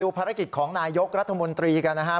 ภารกิจของนายกรัฐมนตรีกันนะครับ